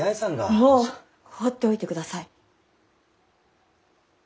もう放っておいてください。